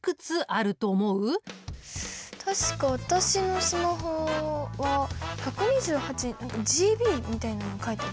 確か私のスマホは「１２８ＧＢ」みたいなの書いてました。